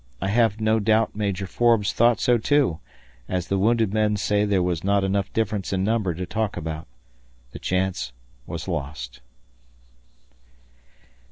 I have no doubt Major Forbes thought so, too, as the wounded men say there was not enough difference in numbers to talk about. The chance was lost.